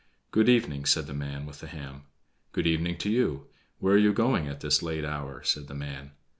"Good evening," said the man with the ham. "Good evening to you. Where are you going at this late hour?" said the man.